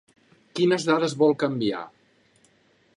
Quines dades vol canviar?